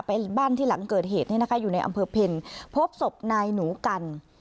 บ้านที่หลังเกิดเหตุเนี่ยนะคะอยู่ในอำเภอเพลพบศพนายหนูกัน